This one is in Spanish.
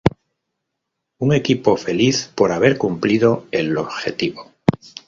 Un equipo feliz por haber cumplido el objetivo.